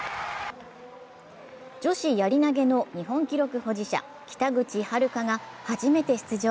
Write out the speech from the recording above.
女子やり投げの日本記録保持者、北口榛花が初めて出場。